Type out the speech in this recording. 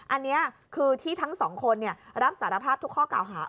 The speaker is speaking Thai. อันนี้คือที่ทั้งสองคนรับสารภาพทุกข้อกล่าวหา